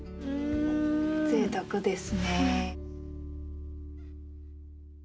ぜいたくですね。